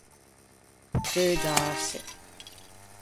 Peu dâse.